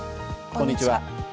こんにちは。